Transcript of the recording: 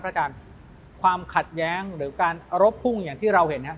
อาจารย์ความขัดแย้งหรือการรบพุ่งอย่างที่เราเห็นครับ